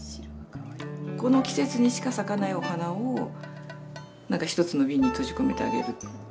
この季節にしか咲かないお花を何か一つのビンに閉じ込めてあげる。